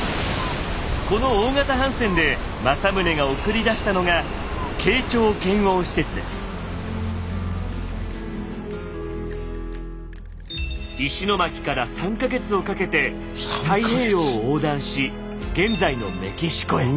この大型帆船で政宗が送り出したのが石巻から３か月をかけて太平洋を横断し現在のメキシコへ。